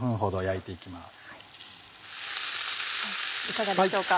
いかがでしょうか？